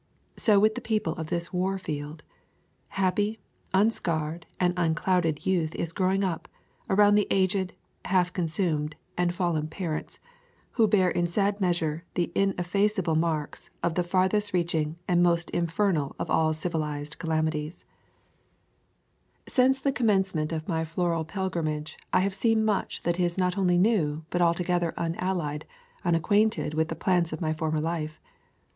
So with the people of this war field. Happy, unscarred, and unclouded youth is growing up around the aged, half consumed, and fallen parents, who bear in sad measure the ineffaceable marks of the farth est reaching and most infernal of all civilized calamities. )[ 84 ] Florida Swamps and Forests Since the commencement of my floral pil grimage I have seen much that is not only new, but altogether unallied, unacquainted with the plants of my former life.